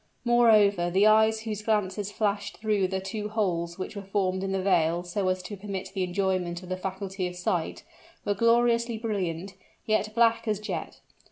Moreover, the eyes whose glances flashed through the two holes which were formed in the veil so as to permit the enjoyment of the faculty of sight, were gloriously brilliant, yet black as jet.